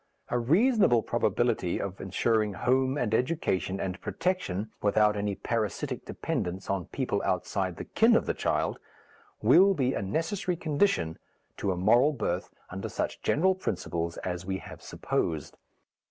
A reasonable probability of ensuring home and education and protection without any parasitic dependence on people outside the kin of the child, will be a necessary condition to a moral birth under such general principles as we have supposed.